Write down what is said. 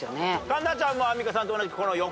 環奈ちゃんもアンミカさんと同じこの横？